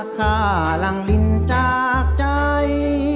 ฆ่าหลังลินจากใจ